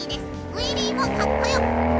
ウイリーもかっこよく！